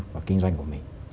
và kinh doanh của mình